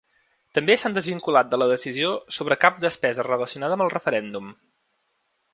També s’han desvinculat de la decisió sobre cap despesa relacionada amb el referèndum.